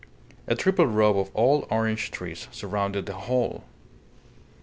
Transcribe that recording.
A triple row of old orange trees surrounded the whole.